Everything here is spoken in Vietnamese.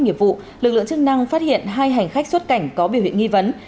nghiệp vụ lực lượng chức năng phát hiện hai hành khách xuất cảnh có biểu hiện nghi vấn